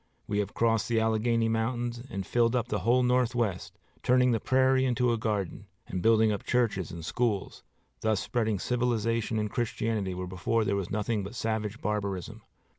We have crossed the Alleghany mountains and filled up the whole Northwest, turning the prairie into a garden, and building up churches and schools, thus spreading civilization and Christianity where before there was nothing but savage barbarism.